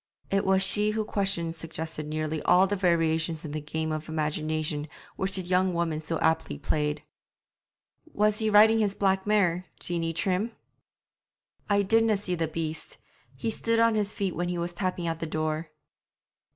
It was she whose questions suggested nearly all the variations in the game of imagination which the young woman so aptly played. 'Was he riding his black mare, Jeanie Trim?' 'I didna see the beast. He stood on his feet when he was tapping at the door.'